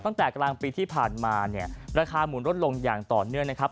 ตั้งแต่กลางปีที่ผ่านมาเนี่ยราคาหมุนลดลงอย่างต่อเนื่องนะครับ